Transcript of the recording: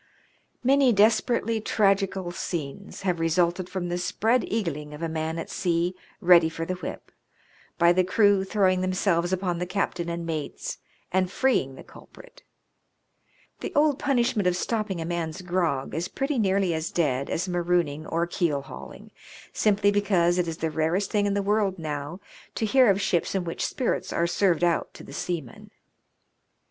Many desperately tragical scenes have resulted from the " spread eagling " of a man at sea ready for the whip, by the crew throwing themselves upon the captain and mates, and freeing the culprit. The old punishment of stopping a man's grog is pretty nearly as dead as marooning or keel hauling, simply because it is the rarest thing in the world now to hear of ships in which spirits are served out to the seamen.